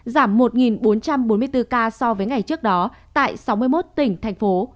giảm một bốn trăm bốn mươi bốn ca so với ngày trước đó tại sáu mươi một tỉnh thành phố